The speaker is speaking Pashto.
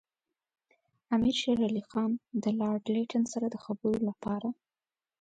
امیر شېر علي خان د لارډ لیټن سره د خبرو لپاره.